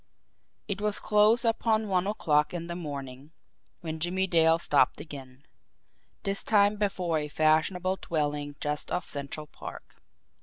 It was close upon one o'clock in the morning when Jimmie Dale stopped again this time before a fashionable dwelling just off Central Park.